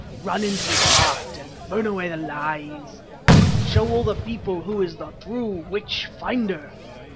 "Run into his heart and burn away the lies! "Show all the people who is the true Witch Finder!